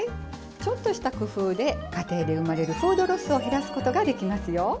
ちょっとした工夫で家庭で生まれるフードロスを減らすことができますよ。